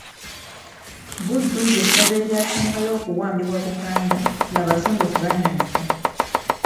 Buddu ly'essaza eryasembayo okuwambibwa Buganda ng'Abazungu tebannajja